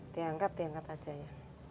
diangkat diangkat aja ya